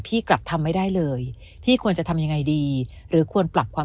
กลับทำไม่ได้เลยพี่ควรจะทำยังไงดีหรือควรปรับความ